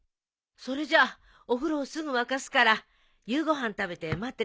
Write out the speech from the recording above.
それじゃお風呂すぐ沸かすから夕ご飯食べて待っててね。